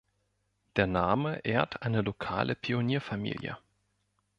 Der Name ehrt eine lokale Pionierfamilie.